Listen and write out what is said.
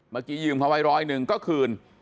เมื่อกี้ยืมเขาไว้ร้อยหนึ่งก็คืน